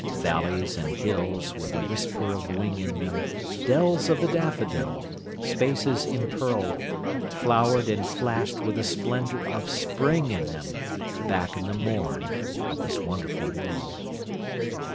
Valleys and hills, with the whisper of wing in them, Dells of the daffodil—spaces impearled, Flowered and flashed with the splendour of Spring in them—Back in the morn of this wonderful world.